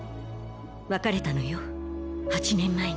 別れたのよ８年前に。